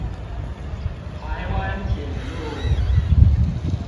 臺灣鐵路